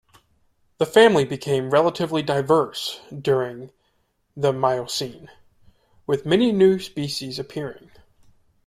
The family became relatively diverse during the Miocene, with many new species appearing.